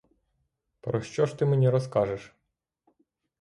Про що ж ти мені розкажеш?